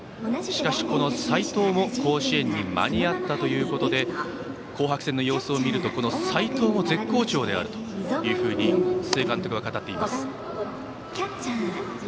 しかし、この斎藤も甲子園に間に合ったということで紅白戦の様子を見ると、斎藤も絶好調であるというふうに須江監督は語っています。